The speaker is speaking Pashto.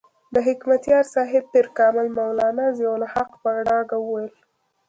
د حکمتیار صاحب پیر کامل مولانا ضیاء الحق په ډاګه وویل.